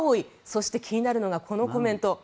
そして気になるのがこのコメント。